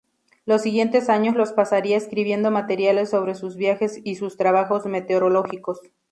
Los siguientes años los pasaría escribiendo materiales sobre sus viajes y sus trabajos meteorológicos.